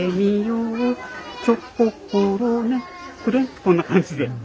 こんな感じで。